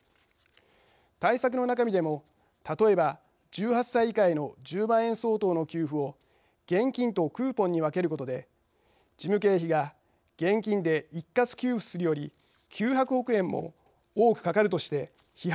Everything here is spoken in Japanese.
対策の中身でも例えば１８歳以下への１０万円相当の給付を現金とクーポンに分けることで事務経費が現金で一括給付するより９００億円も多くかかるとして批判も出ています。